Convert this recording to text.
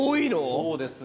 そうですね。